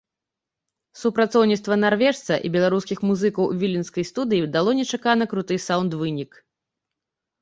Супрацоўніцтва нарвежца і беларускіх музыкаў у віленскай студыі дало нечакана круты саўнд-вынік.